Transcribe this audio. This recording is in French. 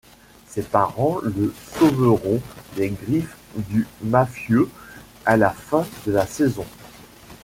Ses parents le sauveront des griffes du mafieux à la fin de la saison.